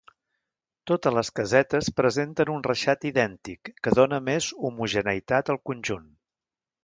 Totes les casetes presenten un reixat idèntic que dóna més homogeneïtat al conjunt.